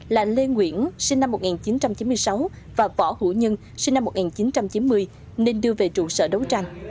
là lê nguyễn sinh năm một nghìn chín trăm chín mươi sáu và võ hữu nhân sinh năm một nghìn chín trăm chín mươi nên đưa về trụ sở đấu tranh